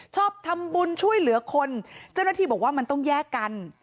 ชอบทำบุญช่วยเหลือคนเจ้าหน้าที่บอกว่ามันต้องแยกกัน